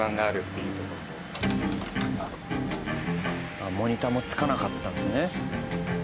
あっモニターもつかなかったんですね。